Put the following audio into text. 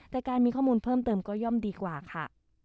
แต่การมีข้อมูลเพิ่มเติมก็ย่อมดีกว่าค่ะ